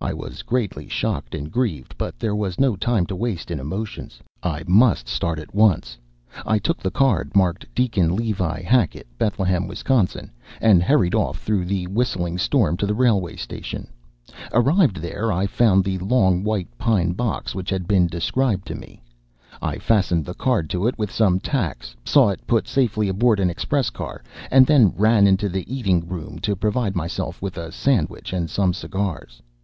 I was greatly shocked and grieved, but there was no time to waste in emotions; I must start at once. I took the card, marked "Deacon Levi Hackett, Bethlehem, Wisconsin," and hurried off through the whistling storm to the railway station. Arrived there I found the long white pine box which had been described to me; I fastened the card to it with some tacks, saw it put safely aboard the express car, and then ran into the eating room to provide myself with a sandwich and some cigars.